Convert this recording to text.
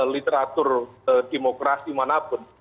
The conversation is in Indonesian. literatur demokrasi manapun